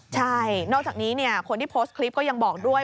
ใช่นอกจากนี้คนที่โพสต์คลิปก็ยังบอกด้วย